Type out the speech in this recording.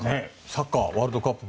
サッカーワールドカップ